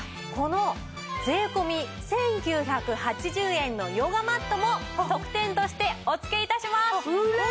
この税込１９８０円のヨガマットも特典としてお付け致します！